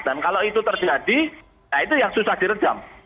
dan kalau itu terjadi ya itu yang susah direjam